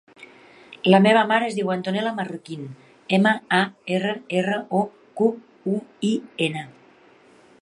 La meva mare es diu Antonella Marroquin: ema, a, erra, erra, o, cu, u, i, ena.